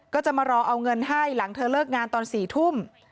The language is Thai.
ก็จะมารอเอาเงินให้หลังเธอเลิกงานตอน๔ทุ่ม